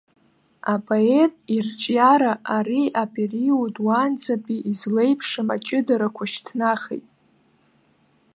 Апоет ирҿиара ари апериод, уаанӡатәи излеиԥшым аҷыдарақәа шьҭнахит.